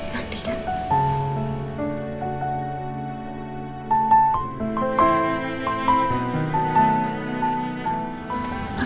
kita bisa berjalan